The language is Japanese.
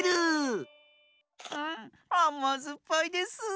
あまずっぱいです。